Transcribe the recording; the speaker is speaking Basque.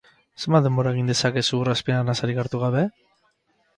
Zenbat denbora egin dezakezu ur azpian arnasarik hartu gabe?